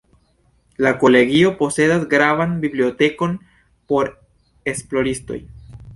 La Kolegio posedas gravan bibliotekon por esploristoj.